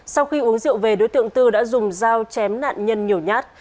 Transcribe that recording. sau khi uống rượu về đối tượng tư đã dùng dao chém nạn nhân nhiều nhát